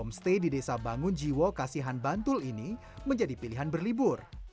homestay di desa bangun jiwo kasihan bantul ini menjadi pilihan berlibur